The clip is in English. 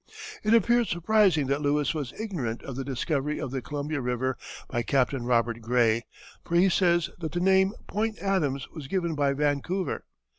It appears surprising that Lewis was ignorant of the discovery of the Columbia River by Captain Robert Gray, for he says that the name Point Adams was given by Vancouver.